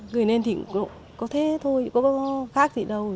gửi lên thì có thế thôi có khác gì đâu